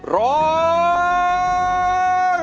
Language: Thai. ร้อง